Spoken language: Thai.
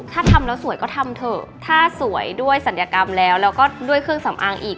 ถ้าทำแล้วสวยก็ทำเถอะถ้าสวยด้วยศัลยกรรมแล้วแล้วก็ด้วยเครื่องสำอางอีก